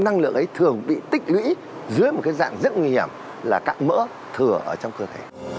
năng lượng ấy thường bị tích lũy dưới một cái dạng rất nguy hiểm là các mỡ thừa ở trong cơ thể